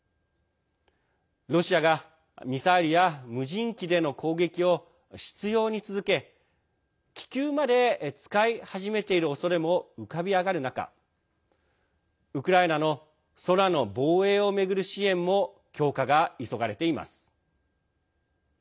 ロシアがミサイルや無人機での攻撃を執ように続け気球まで使い始めているおそれも浮かび上がる中ウクライナの空の防衛を巡る支援も強化が急がれています。